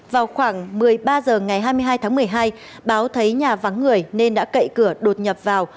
vào khoảng một mươi ba h ngày hai mươi hai tháng một mươi hai báo thấy nhà vắng người nên đã cậy cửa đột nhập vào